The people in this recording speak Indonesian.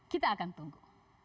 kita akan tunggu